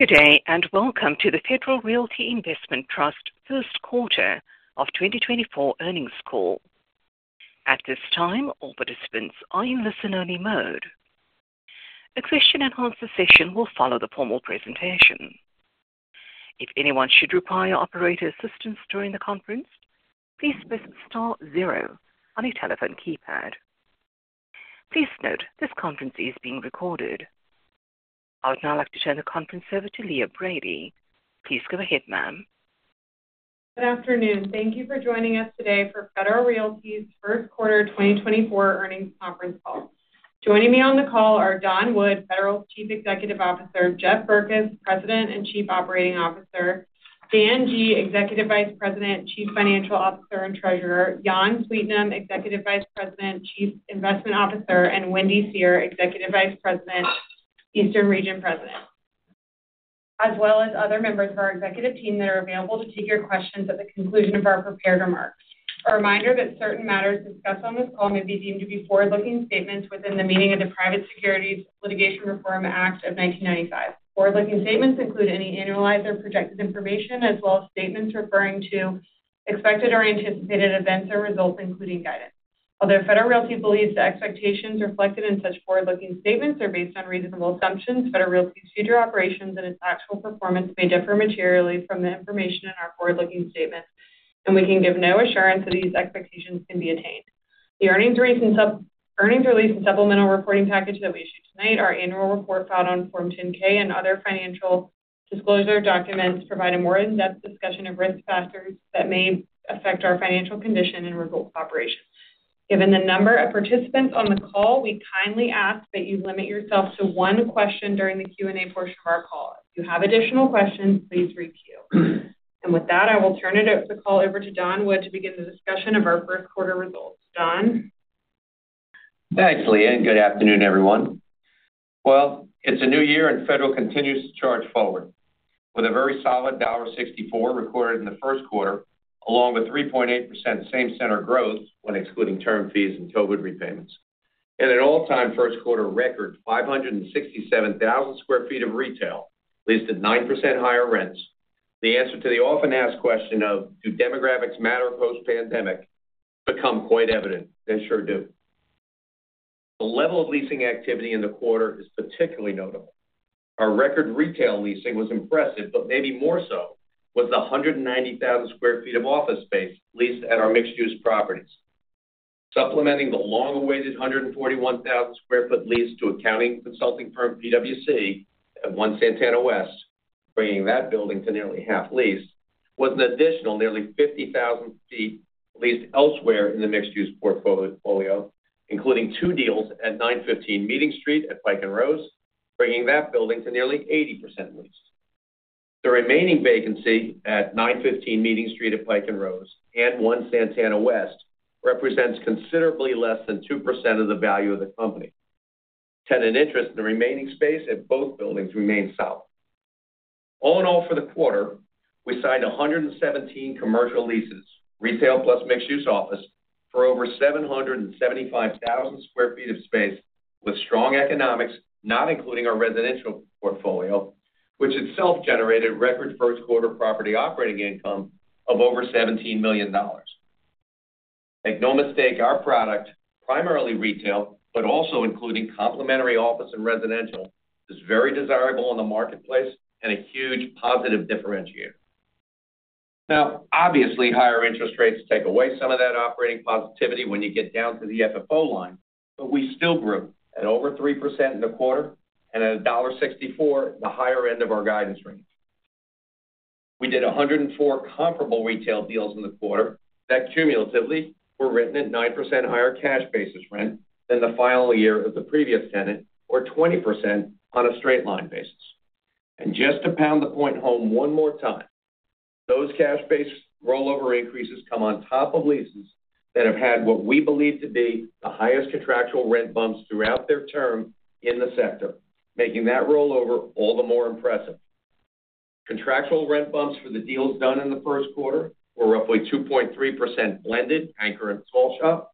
Good day and welcome to the Federal Realty Investment Trust first quarter of 2024 earnings call. At this time, all participants are in listen-only mode. A question-and-answer session will follow the formal presentation. If anyone should require operator assistance during the conference, please press star zero on your telephone keypad. Please note, this conference is being recorded. I would now like to turn the conference over to Leah Brady. Please go ahead, ma'am. Good afternoon. Thank you for joining us today for Federal Realty's first quarter 2024 earnings conference call. Joining me on the call are Don Wood, Federal Realty's President and Chief Executive Officer, Jeff Berkes, President and Chief Operating Officer, Dan Guglielmone, Executive Vice President, Chief Financial Officer and Treasurer, Jan Sweetnam, Executive Vice President, Chief Investment Officer, and Wendy Seher, Executive Vice President, Eastern Region President. As well as other members of our executive team that are available to take your questions at the conclusion of our prepared remarks. A reminder that certain matters discussed on this call may be deemed to be forward-looking statements within the meaning of the Private Securities Litigation Reform Act of 1995. Forward-looking statements include any annualized or projected information, as well as statements referring to expected or anticipated events or results, including guidance. Although Federal Realty believes the expectations reflected in such forward-looking statements are based on reasonable assumptions, Federal Realty's future operations and its actual performance may differ materially from the information in our forward-looking statements, and we can give no assurance that these expectations can be attained. The earnings release and supplemental reporting package that we issue tonight, our annual report filed on Form 10-K and other financial disclosure documents, provide a more in-depth discussion of risk factors that may affect our financial condition and results of operations. Given the number of participants on the call, we kindly ask that you limit yourself to one question during the Q&A portion of our call. If you have additional questions, please reach out. And with that, I will turn the call over to Don Wood to begin the discussion of our first quarter results. Don? Thanks, Leah, and good afternoon, everyone. Well, it's a new year, and Federal continues to charge forward with a very solid $1.64 recorded in the first quarter, along with 3.8% same-center growth when excluding term fees and COVID repayments. And an all-time first quarter record: 567,000 sq ft of retail, leased at 9% higher rents. The answer to the often-asked question of, "Do demographics matter post-pandemic?" become quite evident. They sure do. The level of leasing activity in the quarter is particularly notable. Our record retail leasing was impressive, but maybe more so was the 190,000 sq ft of office space leased at our mixed-use properties. Supplementing the long-awaited 141,000 sq ft lease to accounting consulting firm PwC at 1 Santana West, bringing that building to nearly half leased, was an additional nearly 50,000 sq ft leased elsewhere in the mixed-use portfolio, including two deals at 915 Meeting Street at Pike & Rose, bringing that building to nearly 80% leased. The remaining vacancy at 915 Meeting Street at Pike & Rose and 1 Santana West represents considerably less than 2% of the value of the company. Tenant interest in the remaining space at both buildings remains solid. All in all, for the quarter, we signed 117 commercial leases, retail plus mixed-use office, for over 775,000 sq ft of space with strong economics, not including our residential portfolio, which itself generated record first-quarter property operating income of over $17 million. Make no mistake, our product, primarily retail but also including complementary office and residential, is very desirable on the marketplace and a huge positive differentiator. Now, obviously, higher interest rates take away some of that operating positivity when you get down to the FFO line, but we still grew at over 3% in the quarter and at $1.64, the higher end of our guidance range. We did 104 comparable retail deals in the quarter that cumulatively were written at 9% higher cash basis rent than the final year of the previous tenant, or 20% on a straight-line basis. Just to pound the point home one more time, those cash-based rollover increases come on top of leases that have had what we believe to be the highest contractual rent bumps throughout their term in the sector, making that rollover all the more impressive. Contractual rent bumps for the deals done in the first quarter were roughly 2.3% blended, anchored, and small shop.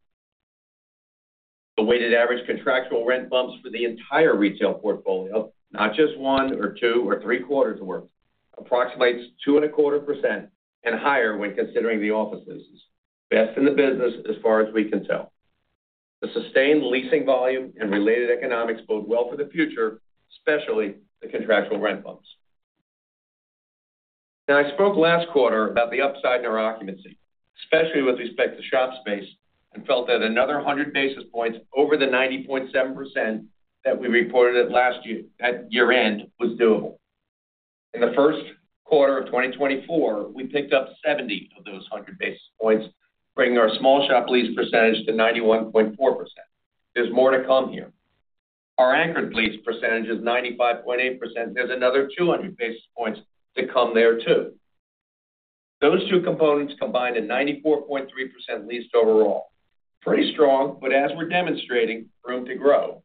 The weighted average contractual rent bumps for the entire retail portfolio, not just one or two or three quarters of work, approximates 2.25% and higher when considering the office leases, best in the business as far as we can tell. The sustained leasing volume and related economics bode well for the future, especially the contractual rent bumps. Now, I spoke last quarter about the upside in our occupancy, especially with respect to shop space, and felt that another 100 basis points over the 90.7% that we reported at year-end was doable. In the first quarter of 2024, we picked up 70 of those 100 basis points, bringing our small shop lease percentage to 91.4%. There's more to come here. Our anchored lease percentage is 95.8%. There's another 200 basis points to come there too. Those two components combined, a 94.3% leased overall, pretty strong, but as we're demonstrating, room to grow.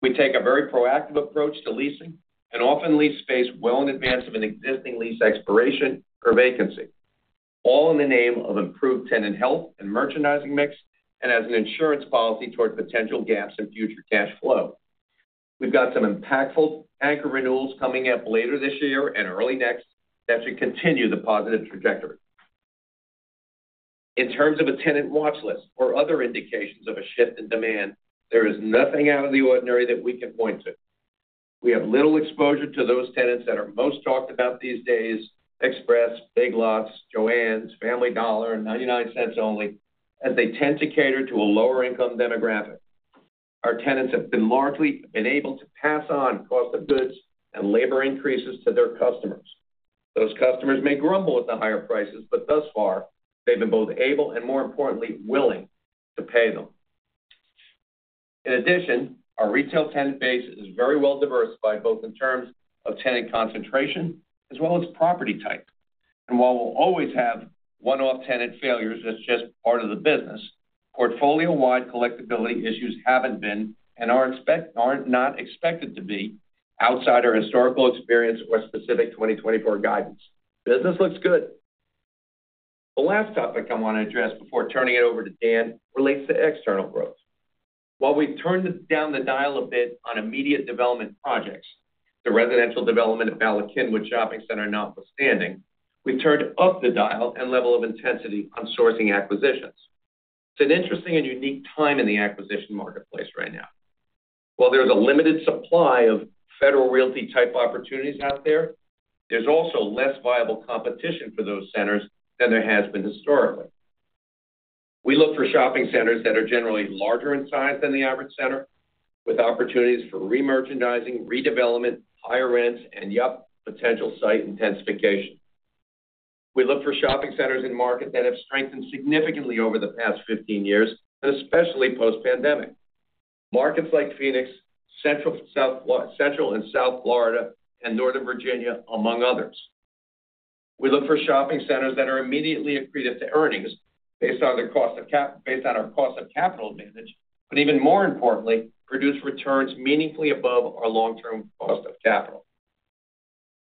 We take a very proactive approach to leasing and often lease space well in advance of an existing lease expiration or vacancy, all in the name of improved tenant health and merchandising mix and as an insurance policy toward potential gaps in future cash flow. We've got some impactful anchor renewals coming up later this year and early next that should continue the positive trajectory. In terms of a tenant watchlist or other indications of a shift in demand, there is nothing out of the ordinary that we can point to. We have little exposure to those tenants that are most talked about these days: Express, Big Lots, Joann's, Family Dollar, and 99 Cents Only, as they tend to cater to a lower-income demographic. Our tenants have largely been able to pass on cost of goods and labor increases to their customers. Those customers may grumble at the higher prices, but thus far, they've been both able and, more importantly, willing to pay them. In addition, our retail tenant base is very well diversified both in terms of tenant concentration as well as property type. While we'll always have one-off tenant failures, that's just part of the business, portfolio-wide collectibility issues haven't been and aren't expected to be outside our historical experience or specific 2024 guidance. Business looks good. The last topic I want to address before turning it over to Dan relates to external growth. While we've turned down the dial a bit on immediate development projects, the residential development at Bala Cynwyd Shopping Center notwithstanding, we've turned up the dial and level of intensity on sourcing acquisitions. It's an interesting and unique time in the acquisition marketplace right now. While there's a limited supply of Federal Realty-type opportunities out there, there's also less viable competition for those centers than there has been historically. We look for shopping centers that are generally larger in size than the average center, with opportunities for remerchandising, redevelopment, higher rents, and, yup, potential site intensification. We look for shopping centers in market that have strengthened significantly over the past 15 years and especially post-pandemic, markets like Phoenix, Central and South Florida, and Northern Virginia, among others. We look for shopping centers that are immediately accretive to earnings based on their cost of capital advantage, but even more importantly, produce returns meaningfully above our long-term cost of capital.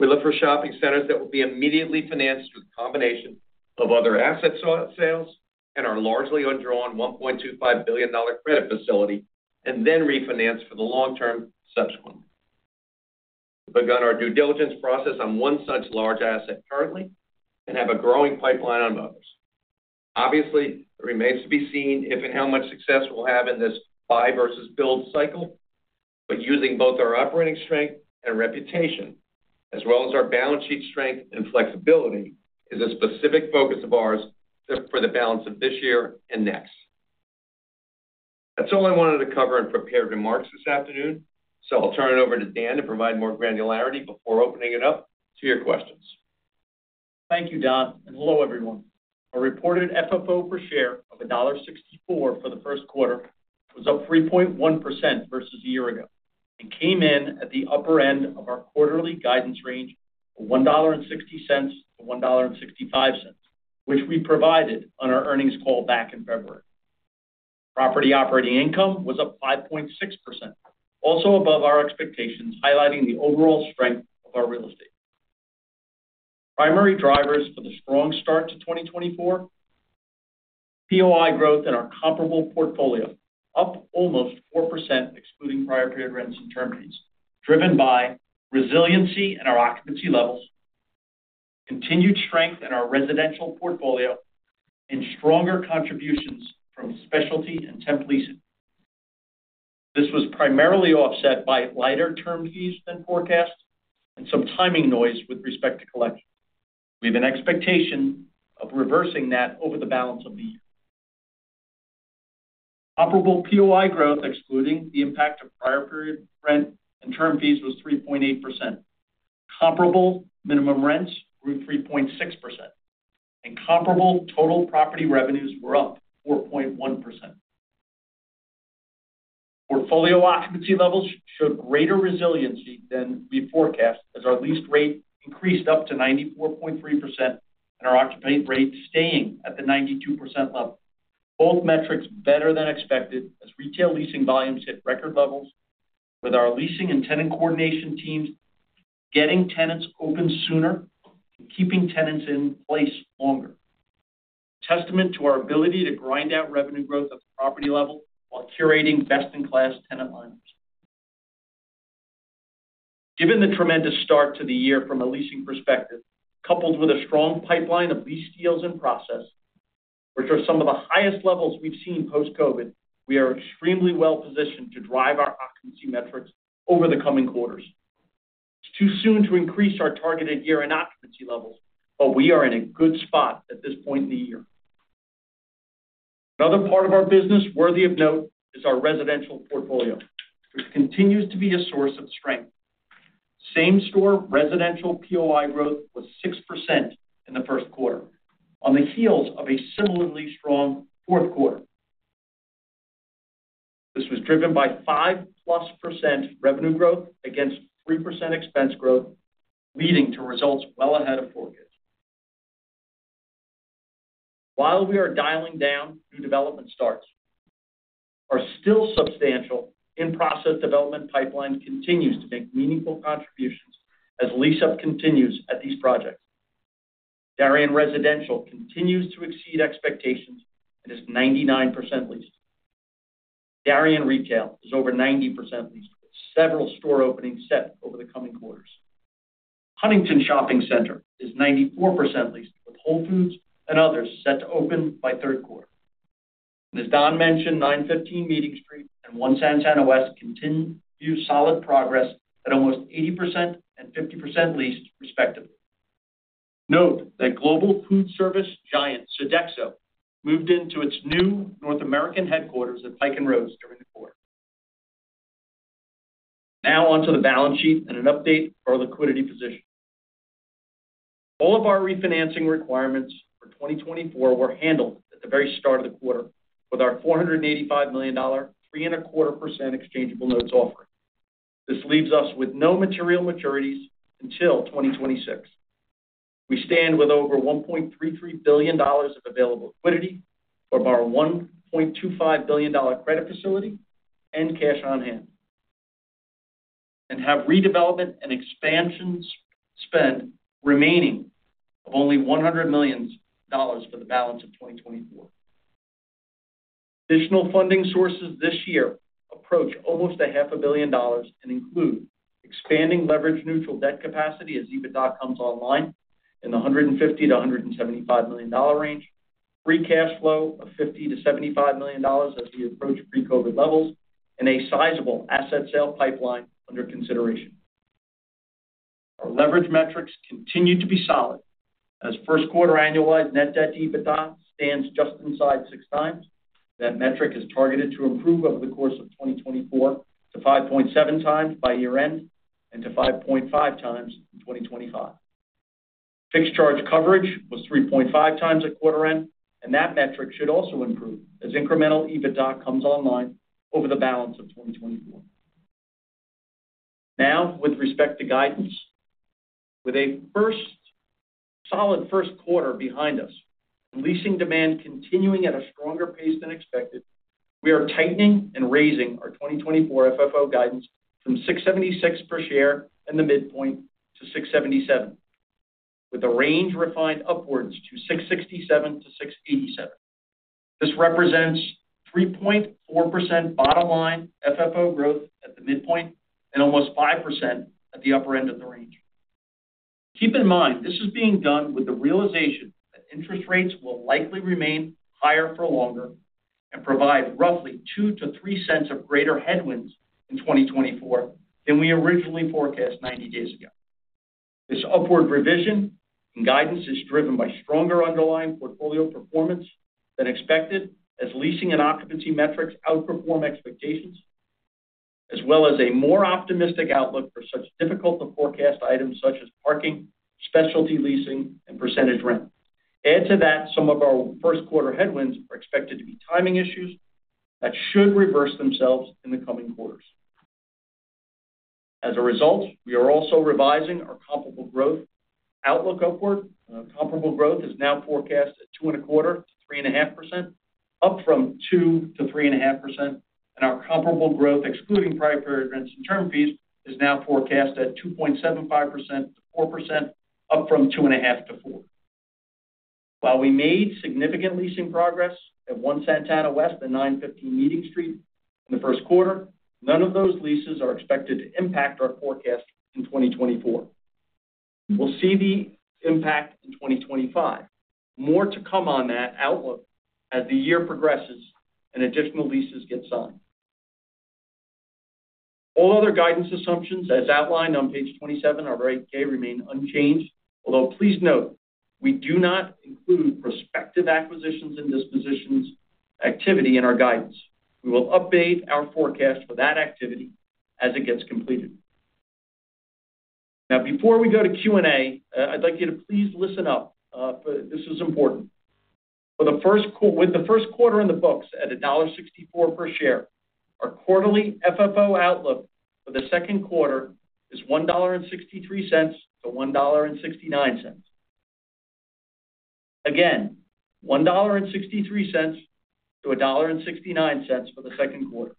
We look for shopping centers that will be immediately financed through the combination of other asset sales and our largely undrawn $1.25 billion credit facility and then refinance for the long term subsequently. We've begun our due diligence process on one such large asset currently and have a growing pipeline on others. Obviously, it remains to be seen if and how much success we'll have in this buy versus build cycle, but using both our operating strength and reputation, as well as our balance sheet strength and flexibility, is a specific focus of ours for the balance of this year and next. That's all I wanted to cover in prepared remarks this afternoon, so I'll turn it over to Dan to provide more granularity before opening it up to your questions. Thank you, Don. Hello, everyone. Our reported FFO per share of $1.64 for the first quarter was up 3.1% versus a year ago and came in at the upper end of our quarterly guidance range of $1.60-$1.65, which we provided on our earnings call back in February. Property operating income was up 5.6%, also above our expectations, highlighting the overall strength of our real estate. Primary drivers for the strong start to 2024: POI growth in our comparable portfolio, up almost 4% excluding prior period rents and term fees, driven by resiliency in our occupancy levels, continued strength in our residential portfolio, and stronger contributions from specialty and temp leasing. This was primarily offset by lighter term fees than forecast and some timing noise with respect to collection. We have an expectation of reversing that over the balance of the year. Comparable POI growth, excluding the impact of prior period rent and term fees, was 3.8%. Comparable minimum rents grew 3.6%, and comparable total property revenues were up 4.1%. Portfolio occupancy levels showed greater resiliency than we forecast as our leased rate increased up to 94.3% and our occupant rate staying at the 92% level, both metrics better than expected as retail leasing volumes hit record levels, with our leasing and tenant coordination teams getting tenants open sooner and keeping tenants in place longer, a testament to our ability to grind out revenue growth at the property level while curating best-in-class tenant lineups. Given the tremendous start to the year from a leasing perspective, coupled with a strong pipeline of lease deals in process, which are some of the highest levels we've seen post-COVID, we are extremely well positioned to drive our occupancy metrics over the coming quarters. It's too soon to increase our targeted year in occupancy levels, but we are in a good spot at this point in the year. Another part of our business worthy of note is our residential portfolio, which continues to be a source of strength. Same-store residential POI growth was 6% in the first quarter, on the heels of a similarly strong fourth quarter. This was driven by 5%+ revenue growth against 3% expense growth, leading to results well ahead of forecast. While we are dialing down new development starts, our still substantial in-process development pipeline continues to make meaningful contributions as lease-up continues at these projects. Darien Residential continues to exceed expectations and is 99% leased. Darien Retail is over 90% leased with several store openings set over the coming quarters. Huntington Shopping Center is 94% leased with Whole Foods and others set to open by third quarter. As Don mentioned, 915 Meeting Street and 1 Santana West continue solid progress at almost 80% and 50% leased, respectively. Note that global food service giant Sodexo moved into its new North American headquarters at Pike & Rose during the quarter. Now onto the balance sheet and an update of our liquidity position. All of our refinancing requirements for 2024 were handled at the very start of the quarter with our $485 million, 3.25% exchangeable notes offering. This leaves us with no material maturities until 2026. We stand with over $1.33 billion of available liquidity from our $1.25 billion credit facility and cash on hand, and have redevelopment and expansion spend remaining of only $100 million for the balance of 2024. Additional funding sources this year approach almost $500 million and include expanding leverage-neutral debt capacity as EBITDA comes online in the $150 million-$175 million range, free cash flow of $50 million-$75 million as we approach pre-COVID levels, and a sizable asset sale pipeline under consideration. Our leverage metrics continue to be solid as first-quarter annualized net debt EBITDA stands just inside 6 times. That metric is targeted to improve over the course of 2024 to 5.7 times by year-end and to 5.5 times in 2025. Fixed charge coverage was 3.5 times at quarter-end, and that metric should also improve as incremental EBITDA comes online over the balance of 2024. Now, with respect to guidance, with a solid first quarter behind us and leasing demand continuing at a stronger pace than expected, we are tightening and raising our 2024 FFO guidance from $6.76 per share and the midpoint to $6.77, with the range refined upwards to $6.67-$6.87. This represents 3.4% bottom-line FFO growth at the midpoint and almost 5% at the upper end of the range. Keep in mind, this is being done with the realization that interest rates will likely remain higher for longer and provide roughly $0.02-$0.03 of greater headwinds in 2024 than we originally forecast 90 days ago. This upward revision in guidance is driven by stronger underlying portfolio performance than expected as leasing and occupancy metrics outperform expectations, as well as a more optimistic outlook for such difficult-to-forecast items such as parking, specialty leasing, and percentage rent. Add to that, some of our first-quarter headwinds are expected to be timing issues that should reverse themselves in the coming quarters. As a result, we are also revising our comparable growth outlook upward. Comparable growth is now forecast at 2.25%-3.5%, up from 2%-3.5%. And our comparable growth excluding prior period rents and term fees is now forecast at 2.75%-4%, up from 2.5%-4%. While we made significant leasing progress at 1 Santana West and 915 Meeting Street in the first quarter, none of those leases are expected to impact our forecast in 2024. We'll see the impact in 2025. More to come on that outlook as the year progresses and additional leases get signed. All other guidance assumptions, as outlined on page 27 of Form 10-K, remain unchanged, although please note, we do not include prospective acquisitions and dispositions activity in our guidance. We will update our forecast for that activity as it gets completed. Now, before we go to Q&A, I'd like you to please listen up. This is important. With the first quarter in the books at $1.64 per share, our quarterly FFO outlook for the second quarter is $1.63-$1.69. Again, $1.63-$1.69 for the second quarter.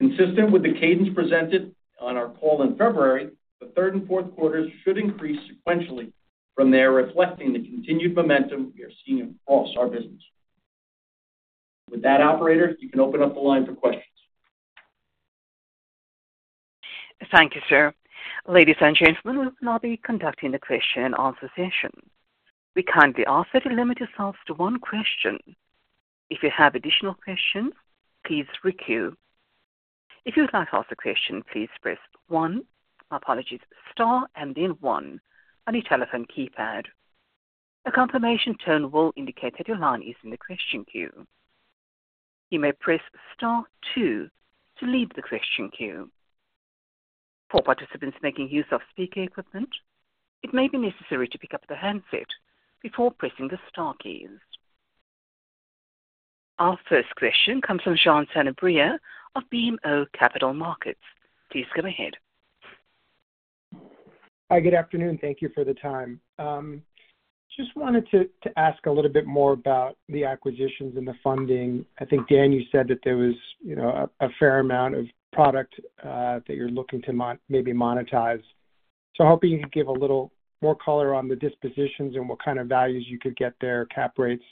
Consistent with the cadence presented on our call in February, the third and fourth quarters should increase sequentially from there, reflecting the continued momentum we are seeing across our business. With that, operator, you can open up the line for questions. Thank you, sir. Ladies and gentlemen, we will now be conducting the question-and-answer session. We kindly ask that you limit yourselves to one question. If you have additional questions, please requeue. If you would like to ask a question, please press one, my apologies, star, and then one on your telephone keypad. A confirmation tone will indicate that your line is in the question queue. You may press star two to leave the question queue. For participants making use of speaker equipment, it may be necessary to pick up the handset before pressing the star keys. Our first question comes from Juan Sanabria of BMO Capital Markets. Please go ahead. Hi. Good afternoon. Thank you for the time. Just wanted to ask a little bit more about the acquisitions and the funding. I think, Dan, you said that there was a fair amount of product that you're looking to maybe monetize. So hoping you could give a little more color on the dispositions and what kind of values you could get there, cap rates,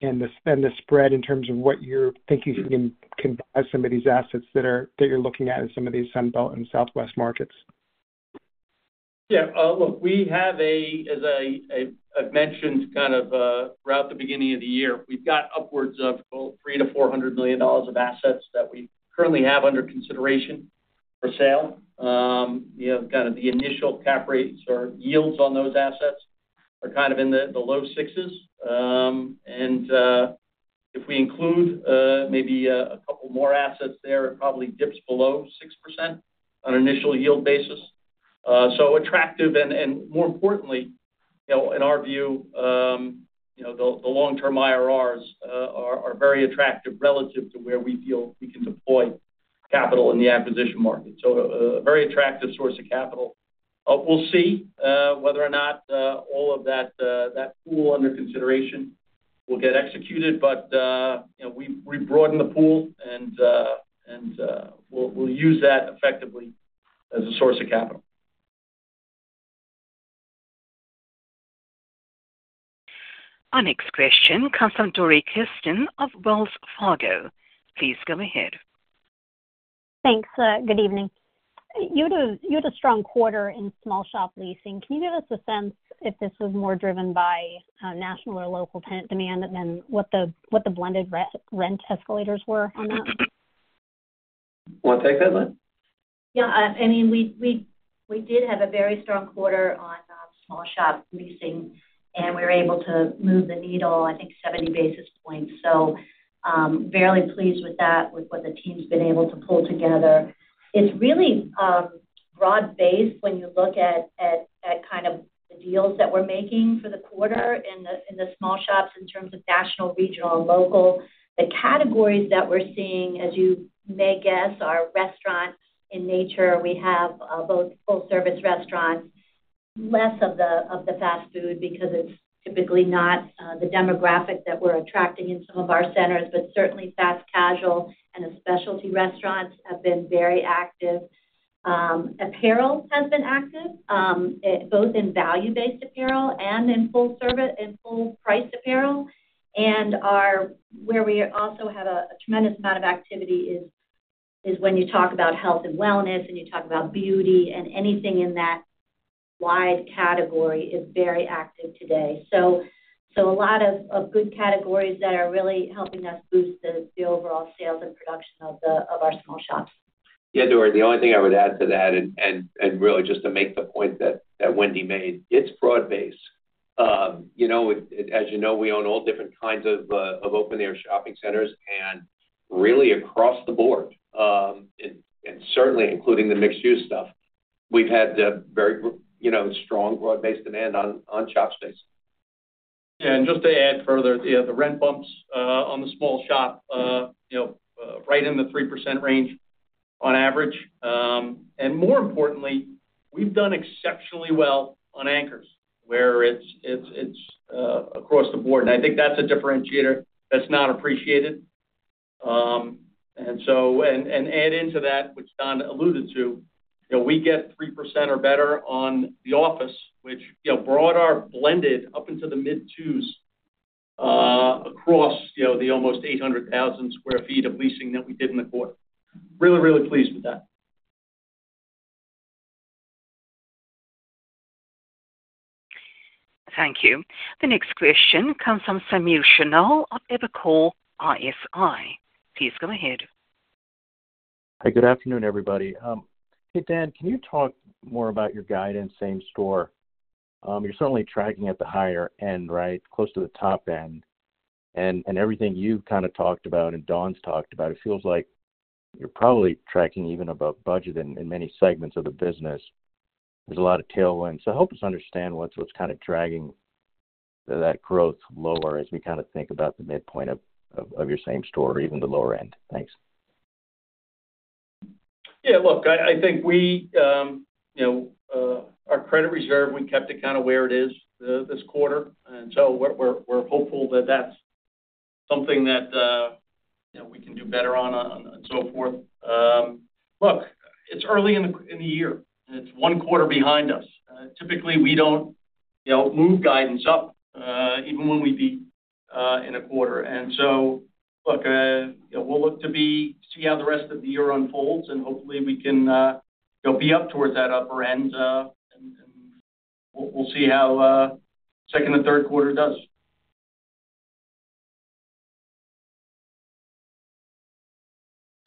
and the spread in terms of what you think you can buy some of these assets that you're looking at in some of these Sunbelt and Southwest markets? Yeah. Look, we have a, as I've mentioned kind of right at the beginning of the year, we've got upwards of $300 million-$400 million of assets that we currently have under consideration for sale. Kind of the initial cap rates or yields on those assets are kind of in the low sixes. And if we include maybe a couple more assets there, it probably dips below 6% on an initial yield basis. So attractive and, more importantly, in our view, the long-term IRRs are very attractive relative to where we feel we can deploy capital in the acquisition market. So a very attractive source of capital. We'll see whether or not all of that pool under consideration will get executed, but we broaden the pool, and we'll use that effectively as a source of capital. Our next question comes from Dori Kesten of Wells Fargo. Please go ahead. Thanks. Good evening. You had a strong quarter in small-shop leasing. Can you give us a sense if this was more driven by national or local tenant demand than what the blended rent escalators were on that? Want to take that, Wendy? Yeah. I mean, we did have a very strong quarter on small-shop leasing, and we were able to move the needle, I think, 70 basis points. So very pleased with that, with what the team's been able to pull together. It's really broad-based when you look at kind of the deals that we're making for the quarter in the small shops in terms of national, regional, and local. The categories that we're seeing, as you may guess, are restaurant in nature. We have both full-service restaurants, less of the fast food because it's typically not the demographic that we're attracting in some of our centers, but certainly fast casual and specialty restaurants have been very active. Apparel has been active, both in value-based apparel and in full-priced apparel. Where we also have a tremendous amount of activity is when you talk about health and wellness and you talk about beauty, and anything in that wide category is very active today. A lot of good categories that are really helping us boost the overall sales and production of our small shops. Yeah, Dori, the only thing I would add to that, and really just to make the point that Wendy made, it's broad-based. As you know, we own all different kinds of open-air shopping centers, and really across the board, and certainly including the mixed-use stuff, we've had very strong broad-based demand on shop space. Yeah. And just to add further, yeah, the rent bumps on the small shop, right in the 3% range on average. And more importantly, we've done exceptionally well on anchors, where it's across the board. And I think that's a differentiator that's not appreciated. And add into that, which Don alluded to, we get 3% or better on the office, which brought our blended up into the mid-twos across the almost 800,000 sq ft of leasing that we did in the quarter. Really, really pleased with that. Thank you. The next question comes from Samir Khanal of Evercore ISI. Please go ahead. Hi. Good afternoon, everybody. Hey, Dan, can you talk more about your guidance, same store? You're certainly tracking at the higher end, right, close to the top end. And everything you've kind of talked about and Don's talked about, it feels like you're probably tracking even above budget in many segments of the business. There's a lot of tailwinds. So help us understand what's kind of dragging that growth lower as we kind of think about the midpoint of your same store, even the lower end? Thanks. Yeah. Look, I think our credit reserve, we kept it kind of where it is this quarter. And so we're hopeful that that's something that we can do better on and so forth. Look, it's early in the year, and it's one quarter behind us. Typically, we don't move guidance up even when we beat in a quarter. And so, look, we'll look to see how the rest of the year unfolds, and hopefully, we can be up towards that upper end, and we'll see how second and third quarter does.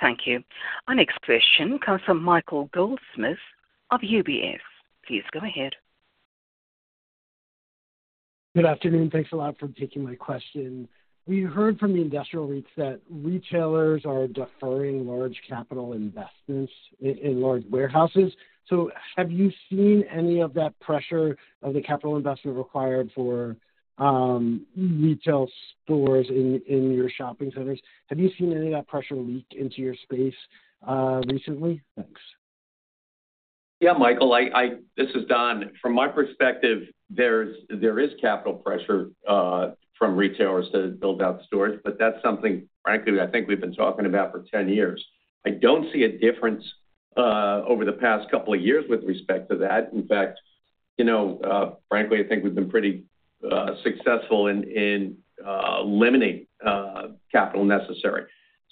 Thank you. Our next question comes from Michael Goldsmith of UBS. Please go ahead. Good afternoon. Thanks a lot for taking my question. We heard from the industrial REITs that retailers are deferring large capital investments in large warehouses. So have you seen any of that pressure of the capital investment required for retail stores in your shopping centers? Have you seen any of that pressure leak into your space recently? Thanks. Yeah, Michael. This is Don. From my perspective, there is capital pressure from retailers to build out stores, but that's something, frankly, I think we've been talking about for 10 years. I don't see a difference over the past couple of years with respect to that. In fact, frankly, I think we've been pretty successful in limiting capital necessary.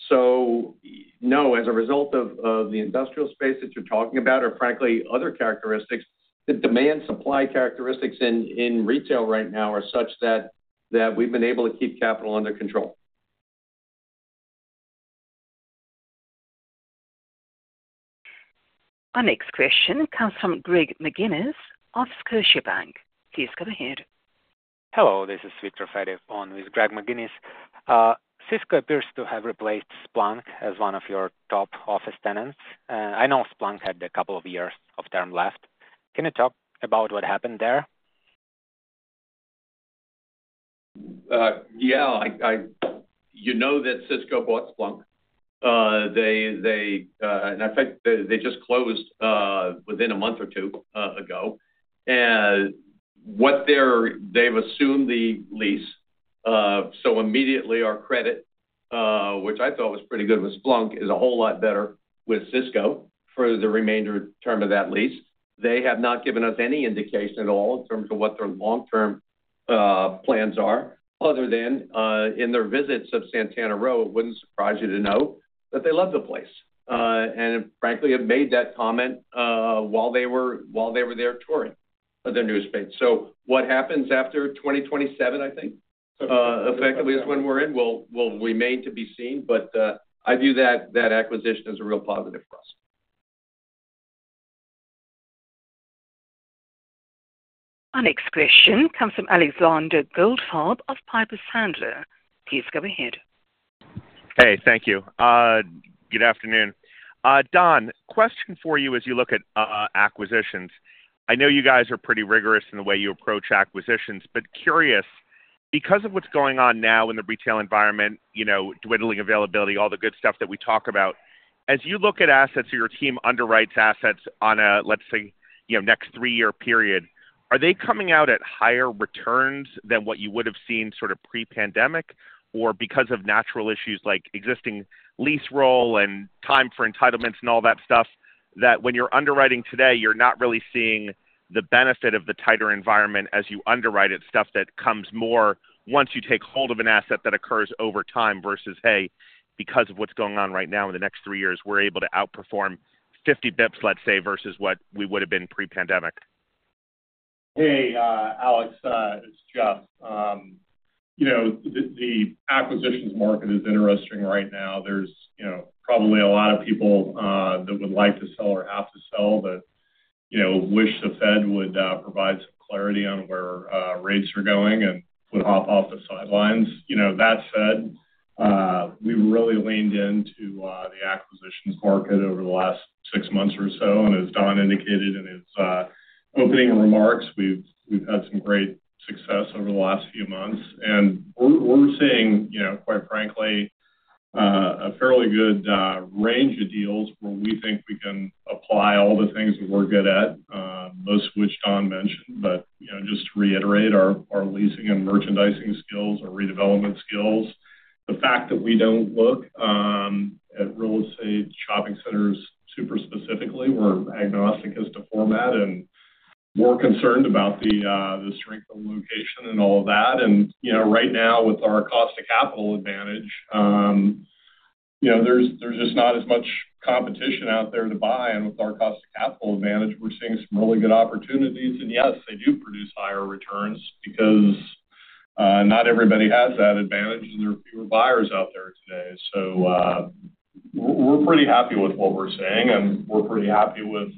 So no, as a result of the industrial space that you're talking about or, frankly, other characteristics, the demand-supply characteristics in retail right now are such that we've been able to keep capital under control. Our next question comes from Greg McGinniss of Scotiabank. Please go ahead. Hello. This is Viktor Fediv on for Greg McGinniss. Cisco appears to have replaced Splunk as one of your top office tenants. I know Splunk had a couple of years of term left. Can you talk about what happened there? Yeah. You know that Cisco bought Splunk. In fact, they just closed within a month or two ago. They've assumed the lease. So immediately, our credit, which I thought was pretty good with Splunk, is a whole lot better with Cisco for the remainder term of that lease. They have not given us any indication at all in terms of what their long-term plans are other than in their visits of Santana Row, it wouldn't surprise you to know that they love the place. And frankly, I've made that comment while they were there touring their new space. So what happens after 2027, I think, effectively, is when we're in, will remain to be seen. But I view that acquisition as a real positive for us. Our next question comes from Alexander Goldfarb of Piper Sandler. Please go ahead. Hey. Thank you. Good afternoon. Don, question for you as you look at acquisitions. I know you guys are pretty rigorous in the way you approach acquisitions, but curious, because of what's going on now in the retail environment, dwindling availability, all the good stuff that we talk about, as you look at assets or your team underwrites assets on a, let's say, next three-year period, are they coming out at higher returns than what you would have seen sort of pre-pandemic? Or because of natural issues like existing lease rollover and time for entitlements and all that stuff, that when you're underwriting today, you're not really seeing the benefit of the tighter environment as you underwrite at stuff that comes more once you take hold of an asset that occurs over time versus, "Hey, because of what's going on right now in the next three years, we're able to outperform 50 bps, let's say, versus what we would have been pre-pandemic. Hey, Alex. It's Jeff. The acquisitions market is interesting right now. There's probably a lot of people that would like to sell or have to sell that wish the Fed would provide some clarity on where rates are going and would hop off the sidelines. That said, we've really leaned into the acquisitions market over the last six months or so. As Don indicated in his opening remarks, we've had some great success over the last few months. We're seeing, quite frankly, a fairly good range of deals where we think we can apply all the things that we're good at, most of which Don mentioned. Just to reiterate, our leasing and merchandising skills, our redevelopment skills, the fact that we don't look at real estate shopping centers super specifically. We're agnostic as to format and more concerned about the strength of the location and all of that. Right now, with our cost-to-capital advantage, there's just not as much competition out there to buy. With our cost-to-capital advantage, we're seeing some really good opportunities. Yes, they do produce higher returns because not everybody has that advantage, and there are fewer buyers out there today. We're pretty happy with what we're seeing, and we're pretty happy with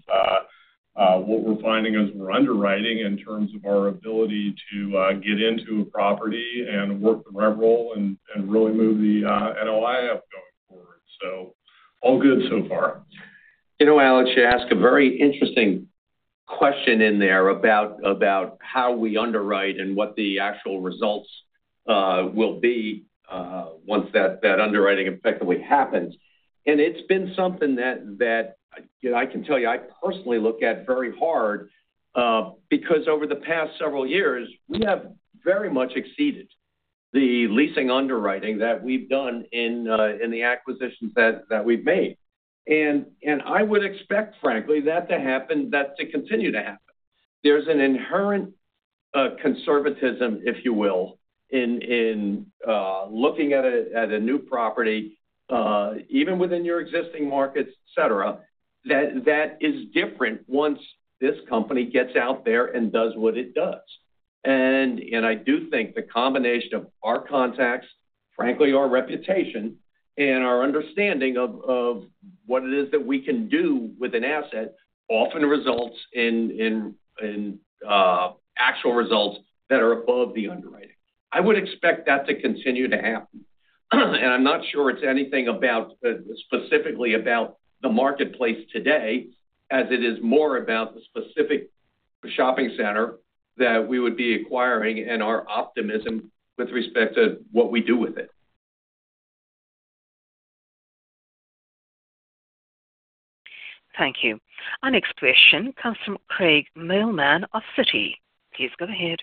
what we're finding as we're underwriting in terms of our ability to get into a property and work the rent roll and really move the NOI up going forward. All good so far. You know, Alex, you ask a very interesting question in there about how we underwrite and what the actual results will be once that underwriting effectively happens. It's been something that I can tell you, I personally look at very hard because over the past several years, we have very much exceeded the leasing underwriting that we've done in the acquisitions that we've made. I would expect, frankly, that to happen, that to continue to happen. There's an inherent conservatism, if you will, in looking at a new property, even within your existing markets, etc., that is different once this company gets out there and does what it does. I do think the combination of our contacts, frankly, our reputation, and our understanding of what it is that we can do with an asset often results in actual results that are above the underwriting. I would expect that to continue to happen. And I'm not sure it's anything specifically about the marketplace today, as it is more about the specific shopping center that we would be acquiring and our optimism with respect to what we do with it. Thank you. Our next question comes from Craig Mailman of Citi. Please go ahead.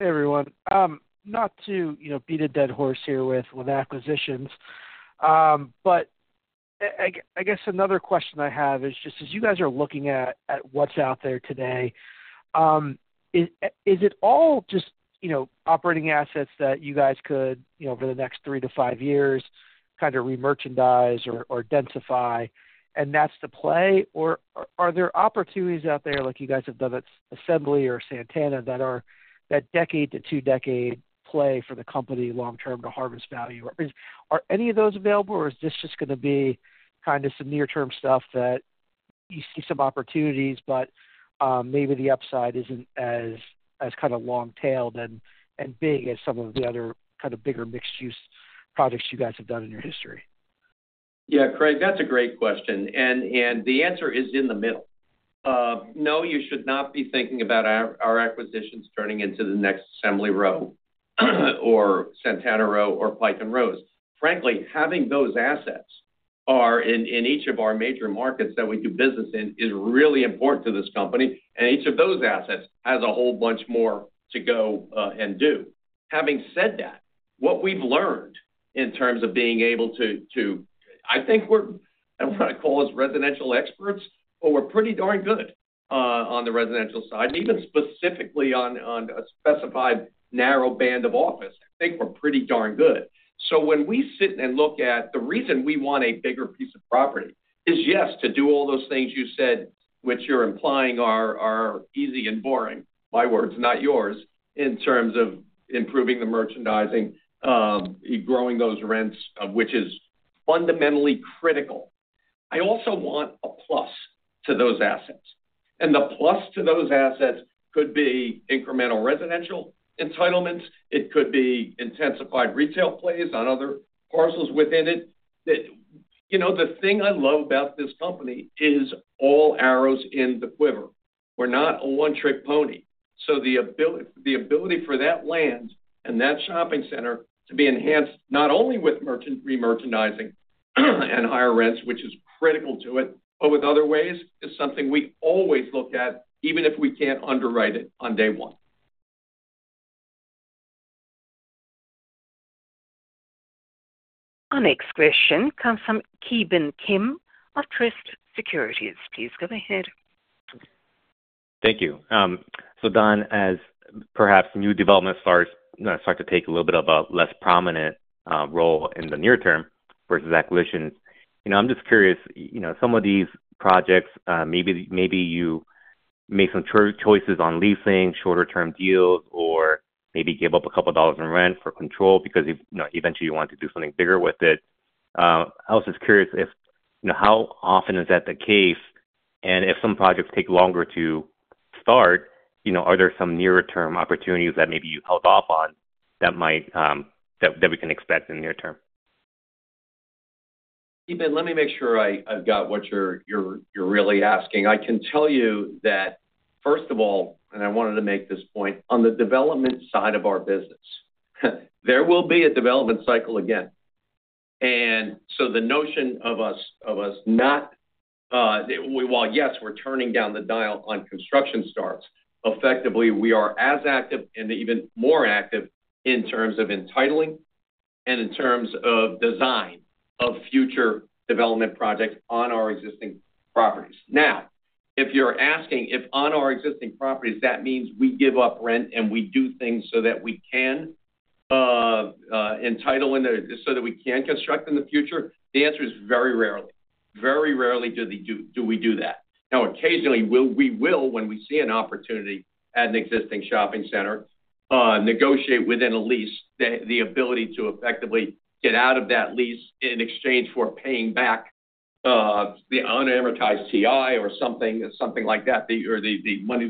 Hey, everyone. Not to beat a dead horse here with acquisitions, but I guess another question I have is just, as you guys are looking at what's out there today, is it all just operating assets that you guys could, over the next 3-5 years, kind of remerchandise or densify, and that's the play? Or are there opportunities out there, like you guys have done at Assembly or Santana, that decade to two-decade play for the company long-term to harvest value? Are any of those available, or is this just going to be kind of some near-term stuff that you see some opportunities, but maybe the upside isn't as kind of long-tailed and big as some of the other kind of bigger mixed-use projects you guys have done in your history? Yeah, Craig, that's a great question. The answer is in the middle. No, you should not be thinking about our acquisitions turning into the next Assembly Row or Santana Row or Pike & Rose. Frankly, having those assets in each of our major markets that we do business in is really important to this company. Each of those assets has a whole bunch more to go and do. Having said that, what we've learned in terms of being able to I think we're what I call as residential experts, but we're pretty darn good on the residential side. Even specifically on a specified narrow band of office, I think we're pretty darn good. So when we sit and look at the reason we want a bigger piece of property is, yes, to do all those things you said, which you're implying are easy and boring, my words, not yours, in terms of improving the merchandising, growing those rents, which is fundamentally critical. I also want a plus to those assets. And the plus to those assets could be incremental residential entitlements. It could be intensified retail plays on other parcels within it. The thing I love about this company is all arrows in the quiver. We're not a one-trick pony. So the ability for that land and that shopping center to be enhanced not only with remerchandising and higher rents, which is critical to it, but with other ways is something we always look at, even if we can't underwrite it on day one. Our next question comes from Ki Bin Kim of Truist Securities. Please go ahead. Thank you. So, Don, as perhaps new developments start to take a little bit of a less prominent role in the near term versus acquisitions, I'm just curious, some of these projects, maybe you make some choices on leasing, shorter-term deals, or maybe give up a couple of dollars in rent for control because eventually, you want to do something bigger with it. I also was curious if how often is that the case? And if some projects take longer to start, are there some nearer-term opportunities that maybe you held off on that we can expect in the near term? Ki Bin, let me make sure I've got what you're really asking. I can tell you that, first of all, and I wanted to make this point, on the development side of our business, there will be a development cycle again. So the notion of us not, well, yes, we're turning down the dial on construction starts. Effectively, we are as active and even more active in terms of entitling and in terms of design of future development projects on our existing properties. Now, if you're asking if on our existing properties, that means we give up rent and we do things so that we can entitle in there so that we can construct in the future, the answer is very rarely. Very rarely do we do that. Now, occasionally, we will, when we see an opportunity at an existing shopping center, negotiate within a lease the ability to effectively get out of that lease in exchange for paying back the unamortized TI or something like that or the money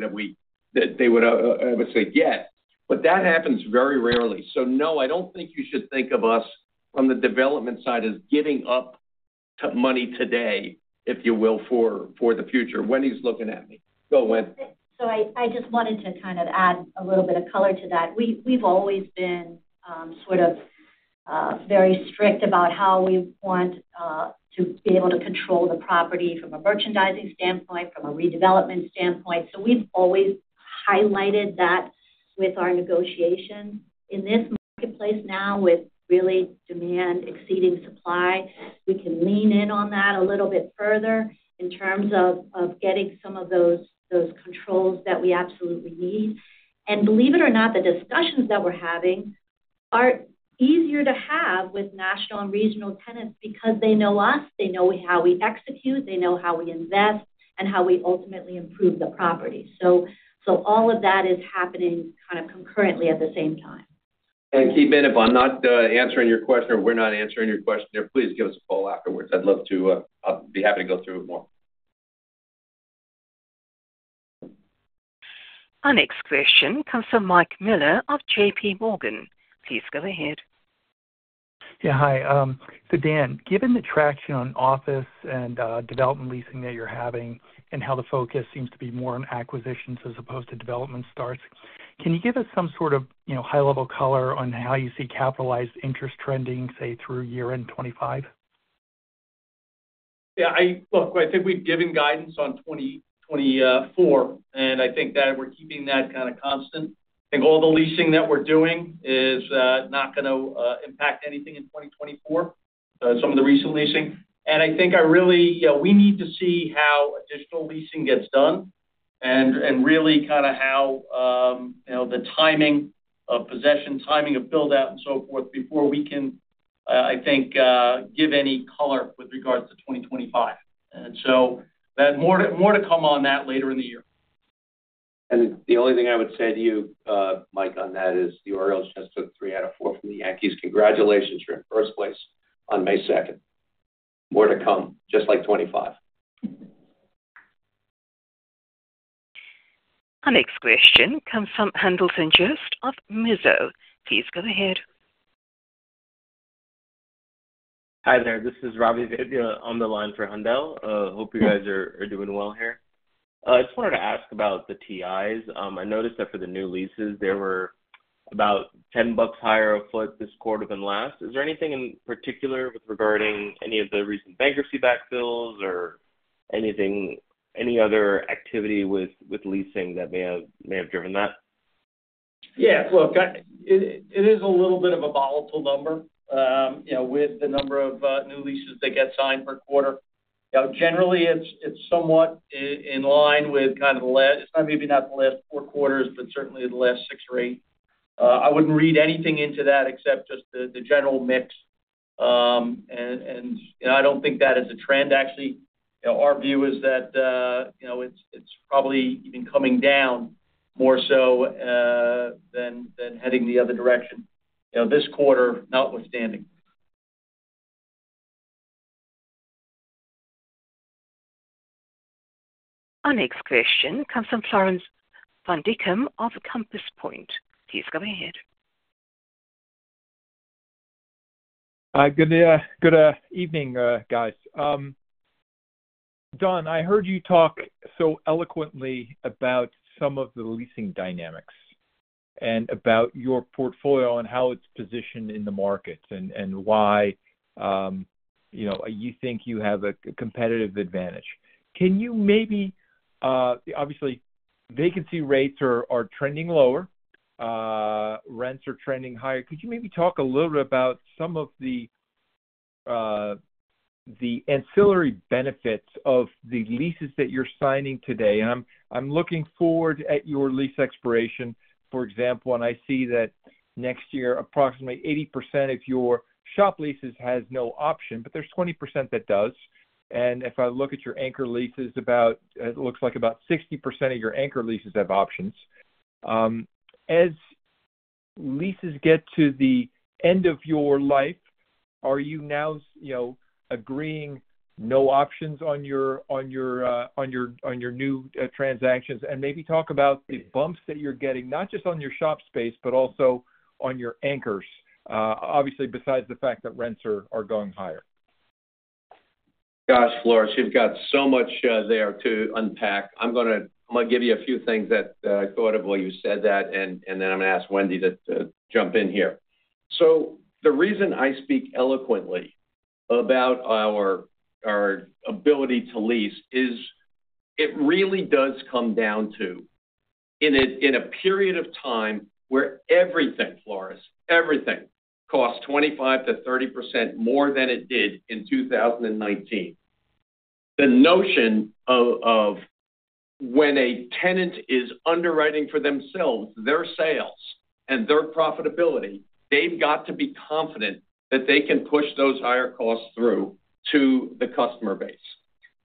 that they would, I would say, get. But that happens very rarely. So no, I don't think you should think of us from the development side as giving up money today, if you will, for the future. Wendy is looking at me. Go, Wendy. So I just wanted to kind of add a little bit of color to that. We've always been sort of very strict about how we want to be able to control the property from a merchandising standpoint, from a redevelopment standpoint. So we've always highlighted that with our negotiations. In this marketplace now, with really demand exceeding supply, we can lean in on that a little bit further in terms of getting some of those controls that we absolutely need. And believe it or not, the discussions that we're having are easier to have with national and regional tenants because they know us. They know how we execute. They know how we invest and how we ultimately improve the property. So all of that is happening kind of concurrently at the same time. Ki Bin, if I'm not answering your question or we're not answering your question there, please give us a call afterwards. I'd be happy to go through it more. Our next question comes from Mike Mueller of JPMorgan. Please go ahead. Yeah. Hi. So Dan, given the traction on office and development leasing that you're having and how the focus seems to be more on acquisitions as opposed to development starts, can you give us some sort of high-level color on how you see capitalized interest trending, say, through year-end 2025? Yeah. Look, I think we've given guidance on 2024, and I think that we're keeping that kind of constant. I think all the leasing that we're doing is not going to impact anything in 2024, some of the recent leasing. And I think, really, we need to see how additional leasing gets done and really kind of how the timing of possession, timing of buildout, and so forth before we can, I think, give any color with regards to 2025. And so more to come on that later in the year. The only thing I would say to you, Mike, on that is the Orioles just took 3 out of 4 from the Yankees. Congratulations here in the first place on May 2nd. More to come, just like 2025. Our next question comes from Haendel St. Juste of Mizuho. Please go ahead. Hi there. This is Ravi Vaidya on the line for Haendel. Hope you guys are doing well here. I just wanted to ask about the TIs. I noticed that for the new leases, there were about $10 higher a foot this quarter than last. Is there anything in particular with regarding any of the recent bankruptcy backfills or any other activity with leasing that may have driven that? Yeah. Look, it is a little bit of a volatile number with the number of new leases that get signed per quarter. Generally, it's somewhat in line with kind of the last, it's maybe not the last 4 quarters, but certainly the last 6 or 8. I wouldn't read anything into that except just the general mix. And I don't think that is a trend, actually. Our view is that it's probably even coming down more so than heading the other direction this quarter, notwithstanding. Our next question comes from Floris van Dijkum of Compass Point. Please go ahead. Good evening, guys. Don, I heard you talk so eloquently about some of the leasing dynamics and about your portfolio and how it's positioned in the markets and why you think you have a competitive advantage. Can you maybe obviously, vacancy rates are trending lower. Rents are trending higher. Could you maybe talk a little bit about some of the ancillary benefits of the leases that you're signing today? And I'm looking forward at your lease expiration. For example, and I see that next year, approximately 80% of your shop leases has no option, but there's 20% that does. And if I look at your anchor leases, it looks like about 60% of your anchor leases have options. As leases get to the end of your life, are you now agreeing no options on your new transactions? Maybe talk about the bumps that you're getting, not just on your shop space, but also on your anchors, obviously, besides the fact that rents are going higher. Gosh, Floris, you've got so much there to unpack. I'm going to give you a few things that I thought of while you said that, and then I'm going to ask Wendy to jump in here. So the reason I speak eloquently about our ability to lease is it really does come down to, in a period of time where everything, Floris, everything costs 25%-30% more than it did in 2019, the notion of when a tenant is underwriting for themselves, their sales, and their profitability, they've got to be confident that they can push those higher costs through to the customer base.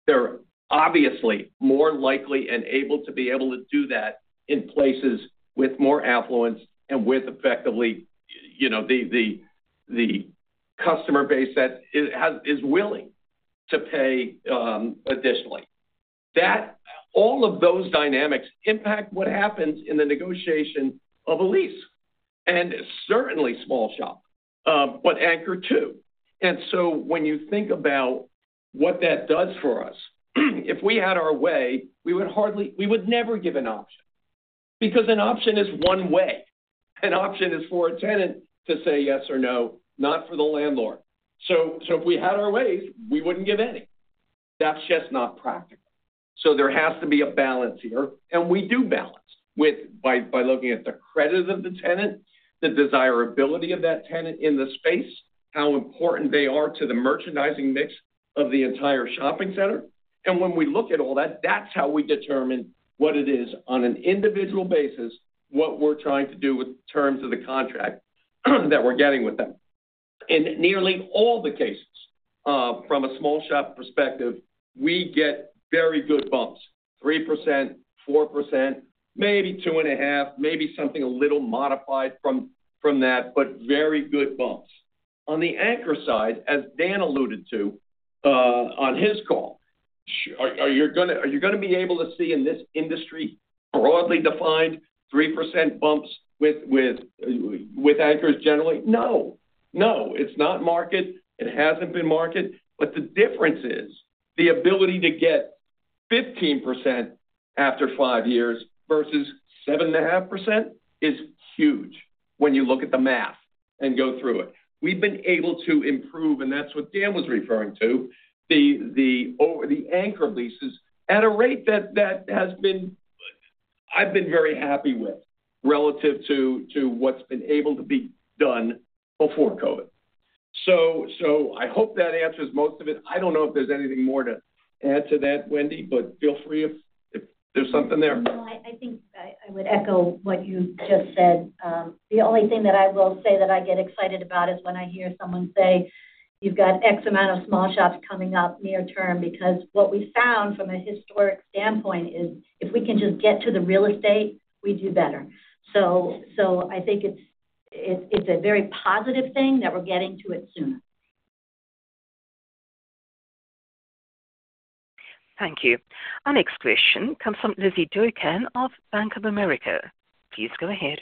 They're obviously more likely and able to be able to do that in places with more affluence and with, effectively, the customer base that is willing to pay additionally. All of those dynamics impact what happens in the negotiation of a lease, and certainly small shop, but anchor too. So when you think about what that does for us, if we had our way, we would never give an option because an option is one way. An option is for a tenant to say yes or no, not for the landlord. So if we had our ways, we wouldn't give any. That's just not practical. So there has to be a balance here. We do balance by looking at the credit of the tenant, the desirability of that tenant in the space, how important they are to the merchandising mix of the entire shopping center. And when we look at all that, that's how we determine what it is on an individual basis, what we're trying to do with terms of the contract that we're getting with them. In nearly all the cases, from a small shop perspective, we get very good bumps, 3%, 4%, maybe 2.5, maybe something a little modified from that, but very good bumps. On the anchor side, as Dan alluded to on his call, are you going to be able to see in this industry broadly defined 3% bumps with anchors generally? No. No, it's not market. It hasn't been market. But the difference is the ability to get 15% after five years versus 7.5% is huge when you look at the math and go through it. We've been able to improve, and that's what Dan was referring to, the anchor leases at a rate that I've been very happy with relative to what's been able to be done before COVID. So I hope that answers most of it. I don't know if there's anything more to add to that, Wendy, but feel free if there's something there. No, I think I would echo what you just said. The only thing that I will say that I get excited about is when I hear someone say, "You've got X amount of small shops coming up near term," because what we found from a historic standpoint is if we can just get to the real estate, we do better. So I think it's a very positive thing that we're getting to it sooner. Thank you. Our next question comes from Lizzy Doykan of Bank of America. Please go ahead.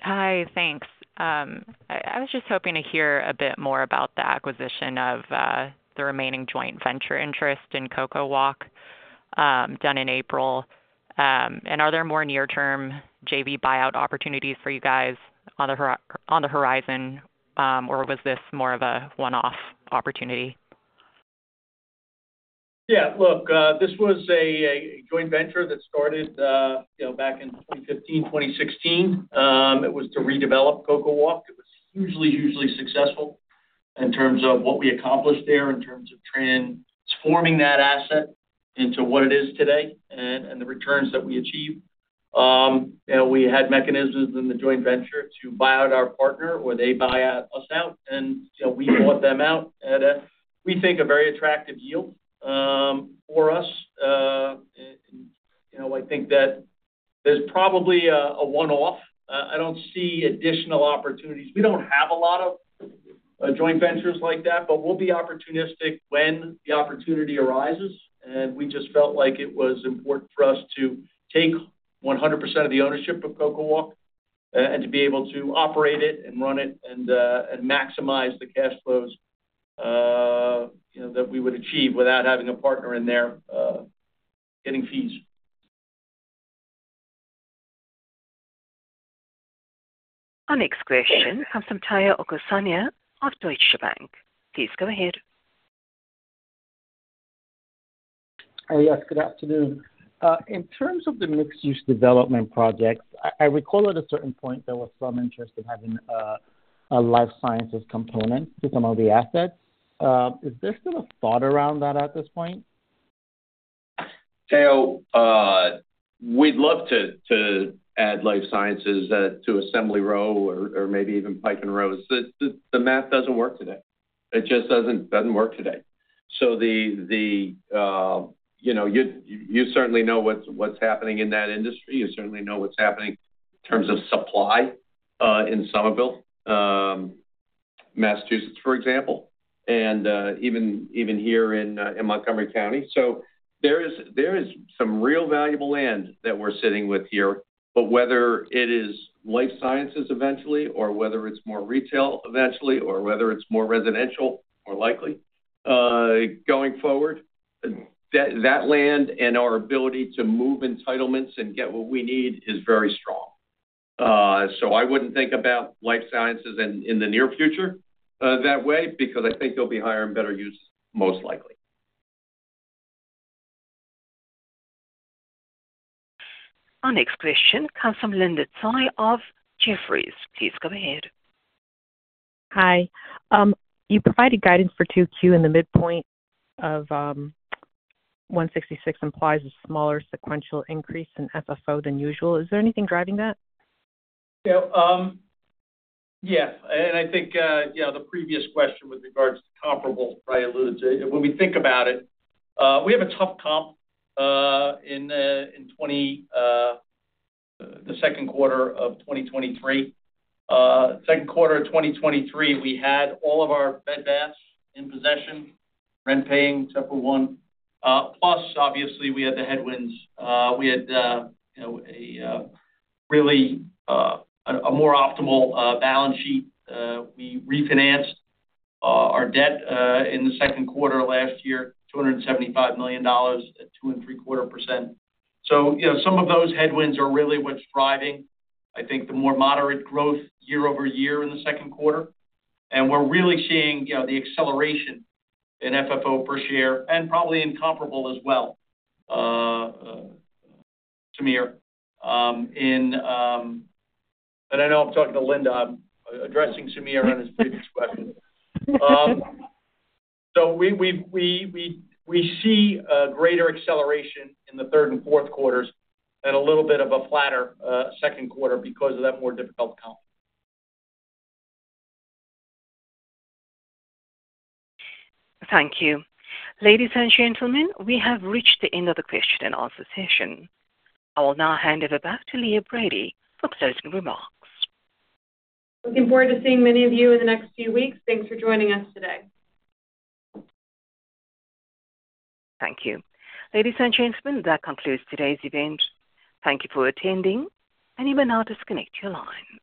Hi. Thanks. I was just hoping to hear a bit more about the acquisition of the remaining joint venture interest in CocoWalk done in April. Are there more near-term JV buyout opportunities for you guys on the horizon, or was this more of a one-off opportunity? Yeah. Look, this was a joint venture that started back in 2015, 2016. It was to redevelop CocoWalk. It was hugely, hugely successful in terms of what we accomplished there, in terms of transforming that asset into what it is today and the returns that we achieved. We had mechanisms in the joint venture to buy out our partner or they buy us out, and we bought them out at, we think, a very attractive yield for us. I think that there's probably a one-off. I don't see additional opportunities. We don't have a lot of joint ventures like that, but we'll be opportunistic when the opportunity arises. We just felt like it was important for us to take 100% of the ownership of CocoWalk and to be able to operate it and run it and maximize the cash flows that we would achieve without having a partner in there getting fees. Our next question comes from Tayo Okusanya of Deutsche Bank. Please go ahead. Hey, yes. Good afternoon. In terms of the mixed-use development projects, I recall at a certain point there was some interest in having a life sciences component to some of the assets. Is there still a thought around that at this point? Tayo, we'd love to add life sciences to Assembly Row or maybe even Pike & Rose. The math doesn't work today. It just doesn't work today. So you certainly know what's happening in that industry. You certainly know what's happening in terms of supply in Somerville, Massachusetts, for example, and even here in Montgomery County. So there is some real valuable land that we're sitting with here. But whether it is life sciences eventually or whether it's more retail eventually or whether it's more residential, more likely, going forward, that land and our ability to move entitlements and get what we need is very strong. So I wouldn't think about life sciences in the near future that way because I think they'll be higher and better used, most likely. Our next question comes from Linda Tsai of Jefferies. Please go ahead. Hi. You provided guidance for Q2 in the midpoint of $1.66, implies a smaller sequential increase in FFO than usual. Is there anything driving that? Yeah. And I think the previous question with regards to comparable, Ravi alluded to, when we think about it, we have a tough comp in the second quarter of 2023. Second quarter of 2023, we had all of our Bed Baths in possession, rent paying, except for one. Plus, obviously, we had the headwinds. We had a really more optimal balance sheet. We refinanced our debt in the second quarter last year, $275 million at 2.75%. So some of those headwinds are really what's driving, I think, the more moderate growth year-over-year in the second quarter. And we're really seeing the acceleration in FFO per share and probably in comparable as well, Samir. And I know I'm talking to Linda. I'm addressing Samir on his previous question. We see a greater acceleration in the third and fourth quarters and a little bit of a flatter second quarter because of that more difficult comp. Thank you. Ladies and gentlemen, we have reached the end of the question and answer session. I will now hand it back to Leah Brady for closing remarks. Looking forward to seeing many of you in the next few weeks. Thanks for joining us today. Thank you. Ladies and gentlemen, that concludes today's event. Thank you for attending, and you may now disconnect your line.